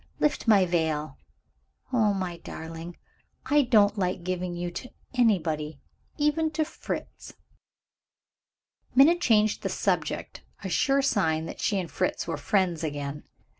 Lift my veil. Oh, my darling, I don't like giving you to anybody, even to Fritz." Minna changed the subject a sure sign that she and Fritz were friends again.